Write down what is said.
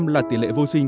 bảy bảy là tỷ lệ vô sinh